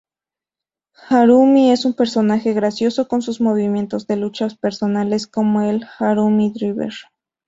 Harumi es un personaje gracioso con sus movimientos de lucha personales, como el "Harumi-driver".